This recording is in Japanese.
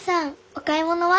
お買い物は？